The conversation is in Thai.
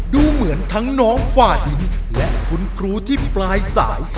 ดูเหมือนทั้งน้องฝ่าดินและคุณครูที่ปลายสาย